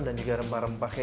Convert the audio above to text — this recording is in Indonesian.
dan juga rempah rempah